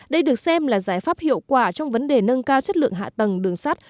đây được xem là giải pháp hiệu quả trong vấn đề nâng cao chất lượng hạ tầng đường sắt